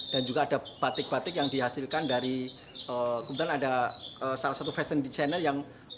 dan juga ada batik batik yang dihasilkan dari kemudian ada salah satu fashion desainer yang menjadi